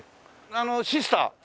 あのシスター？